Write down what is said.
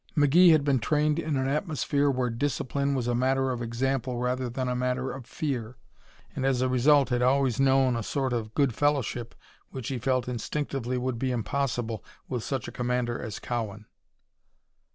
McGee had been trained in an atmosphere where discipline was a matter of example rather than a matter of fear, and as a result had always known a sort of good fellowship which he felt instinctively would be impossible with such a commander as Cowan.